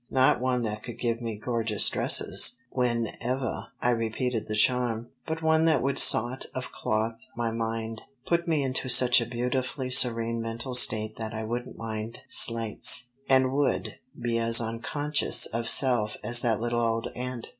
"Not one that could give me gorgeous dresses whenevah I repeated the charm, but one that would sawt of clothe my mind put me into such a beautifully serene mental state that I wouldn't mind slights, and would be as unconscious of self as that little old ant."